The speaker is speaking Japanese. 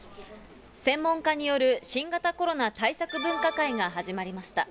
専門家による新型コロナ対策分科会が始まりました。